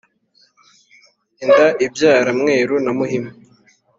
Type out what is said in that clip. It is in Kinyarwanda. Inda ibyara mweru na muhima.